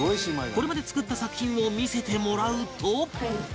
これまで作った作品を見せてもらうと